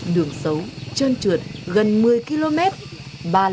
đường xấu chơn trượt gần một mươi km ba lần ngã xe